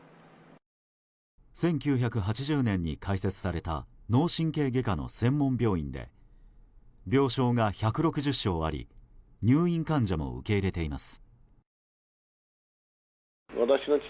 １９８０年に開設された脳神経外科の専門病院で病床が１６０床あり入院患者も受け入れています。